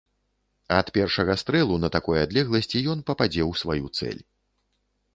Ад першага стрэлу на такой адлегласці ён пападзе ў сваю цэль.